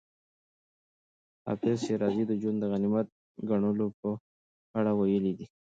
حافظ شېرازي د ژوند د غنیمت ګڼلو په اړه ویلي دي.